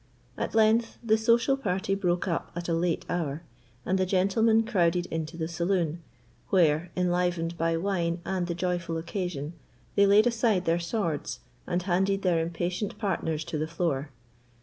At length the social party broke up at a late hour, and the gentlemen crowded into the saloon, where, enlivened by wine and the joyful occasion, they laid aside their swords and handed their impatient partners to the floor.